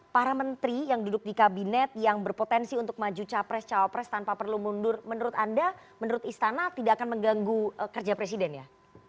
para menteri yang duduk di kabinet yang berpotensi untuk maju capres cawapres tanpa perlu mundur menurut anda menurut istana tidak akan mengganggu kerja presiden ya